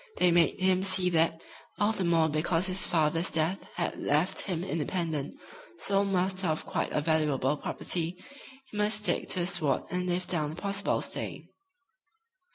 They made him see that, all the more because his father's death had left him independent sole master of quite a valuable property he must stick to the sword and live down the possible stain.